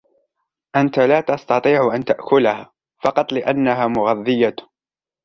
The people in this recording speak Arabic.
أنتَ لا تستطيع أن تأكلها فقط لأنها مغذية.